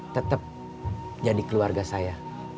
tetap jadi keluarga saya